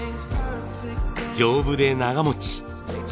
丈夫で長持ち。